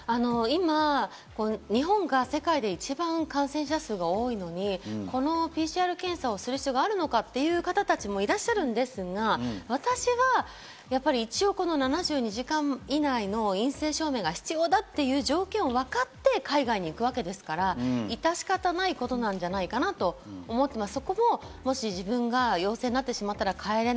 今、日本が世界で一番感染者数が多いのにこのＰＣＲ検査をする必要があるのかという方たちもいらっしゃるんですが、私は一応７２時間以内の陰性証明が必要だという条件を分かって海外に行くわけですから、致し方ないことなんじゃないかなと思ってます。